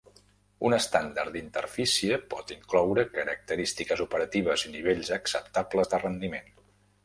Un estàndard d'interfície pot incloure característiques operatives i nivells acceptables de rendiment.